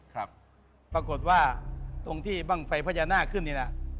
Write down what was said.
ปรากฏว่าตรงที่บ้างไฟพระยาหน้าขึ้นนี่นะ